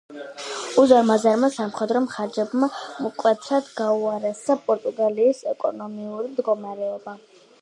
უზარმაზარმა სამხედრო ხარჯებმა მკვეთრად გააუარესა პორტუგალიის ეკონომიკური მდგომარეობა.